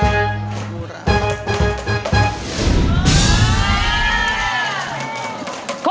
น้อยดูลายมอนมานี่ก่อน